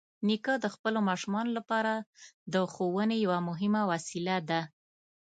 نیکه د خپلو ماشومانو لپاره د ښوونې یوه مهمه وسیله ده.